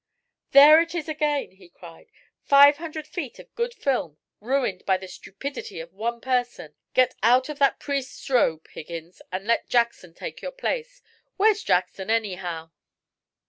"There it is again!" he cried. "Five hundred feet of good film, ruined by the stupidity of one person. Get out of that priest's robe, Higgins, and let Jackson take your place. Where's Jackson, anyhow?"